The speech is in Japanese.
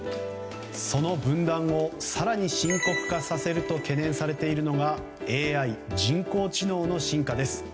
その分断を更に深刻化させると懸念されているのがＡＩ・人工知能の進化です。